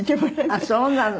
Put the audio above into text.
ああそうなの。